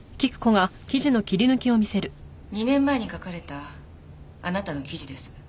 ２年前に書かれたあなたの記事です。